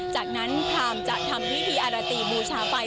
จากนั้นพรามจะทำพิธีอารตีบูชาไฟ